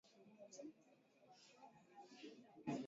kuenea katika sehemu nyingine za mwili